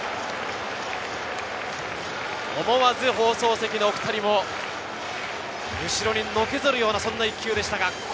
思わず放送席の２人も後ろにのけぞるような一球でした。